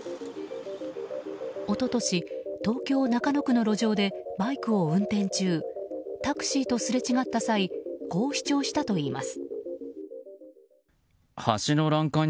一昨年、東京・中野区の路上でバイクを運転中タクシーとすれ違った際こう主張したといいます。